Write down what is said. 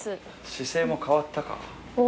姿勢も変わったか？